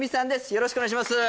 よろしくお願いします